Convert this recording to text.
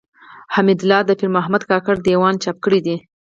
حمدالله د پيرمحمد کاکړ د ېوان چاپ کړی دﺉ.